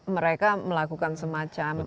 mereka melakukan semacam